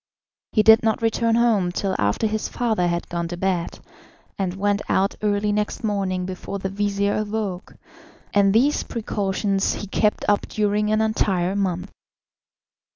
He did not return home till after his father had gone to bed, and went out early next morning before the vizir awoke, and these precautions he kept up during an entire month.